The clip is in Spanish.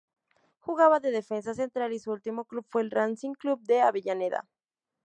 Jugaba de defensa central y su último club fue el Racing Club de Avellaneda.